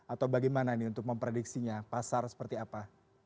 atau bagaimana ini untuk memprediksinya pasar seperti apa